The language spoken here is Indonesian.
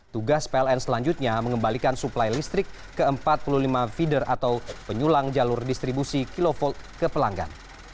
tugas pln selanjutnya mengembalikan suplai listrik ke empat puluh lima feeder atau penyulang jalur distribusi kilo volt ke pelanggan